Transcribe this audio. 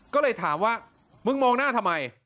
ก็เลยถามว่ามึงมองหน้าทำไม